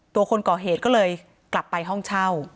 คนก่อเหตุก็เลยกลับไปห้องเช่า